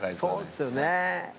そうですよね。